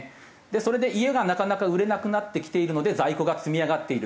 それで家がなかなか売れなくなってきているので在庫が積み上がっている。